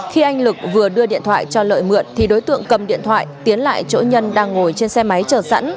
khi anh lực vừa đưa điện thoại cho lợi mượn thì đối tượng cầm điện thoại tiến lại chỗ nhân đang ngồi trên xe máy chờ sẵn